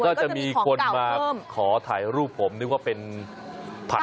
ก็จะมีของเก่าเพิ่มก็จะมีคนมาขอถ่ายรูปผมนึกว่าเป็นพัน